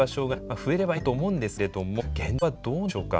増えればいいなと思うんですけれども現状はどうなんでしょうか？